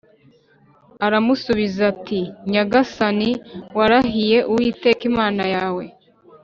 Aramusubiza ati “Nyagasani, warahiye Uwiteka Imana yawe